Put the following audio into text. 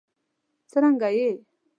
څرنګه یې؟